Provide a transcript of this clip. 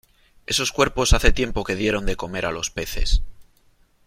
esos cuerpos hace tiempo que dieron de comer a los peces .